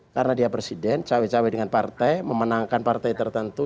karena dia presiden cawi cawi dengan partai memenangkan partai tertentu